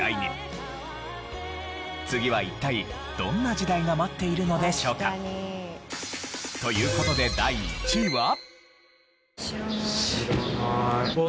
次は一体どんな時代が待っているのでしょうか？という事で第１位は。